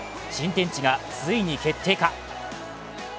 新天地がついに決定か。